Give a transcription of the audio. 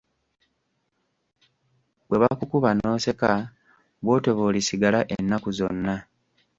Bwe bakukuba n'oseka, bw'otyo bw'olisigala ennaku zonna.